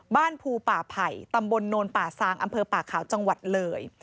ภูป่าไผ่ตำบลโนนป่าซางอำเภอป่าขาวจังหวัดเลย